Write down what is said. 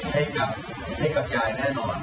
ให้กระจายแน่นอน